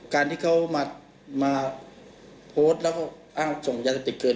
การที่เขามาโพสต์แล้วก็อ้างส่งยาเสพติดเกิน